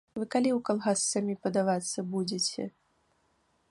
Вы калі ў калгас самі падавацца будзеце?